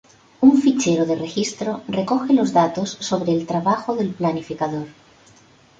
Un fichero de registro recoge los datos sobre el trabajo del planificador.